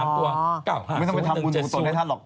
๙๕๐๑๗๐ไม่ต้องไปทำบุญภูมิตัวให้ท่านหรอก